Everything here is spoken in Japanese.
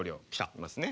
いますね。